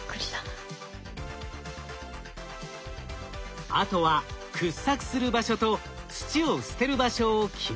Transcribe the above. あとは掘削する場所と土を捨てる場所を決めるだけ。